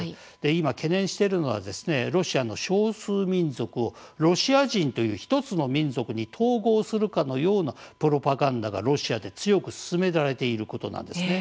今、懸念しているのはロシアの少数民族をロシア人という１つの民族に統合するかのようなプロパガンダがロシアで強く進められていることなんですね。